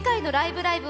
ライブ！」は